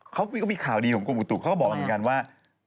เขาก็มีข่าวดีของกรมอุตุเขาก็บอกเหมือนกันว่า